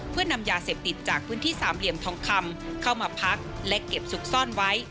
เพื่อนำยาเสพติดจากพื้นที่สามเหลี่ยมทองคำเข้ามาพักและเก็บซุกซ่อนไว้